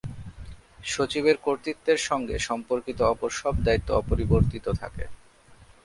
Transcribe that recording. সচিবের কর্তৃত্বের সঙ্গে সম্পর্কিত অপর সব দায়িত্ব অপরিবর্তিত থাকে।